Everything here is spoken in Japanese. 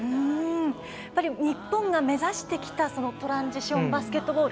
日本の目指してきたトランジションバスケットボール。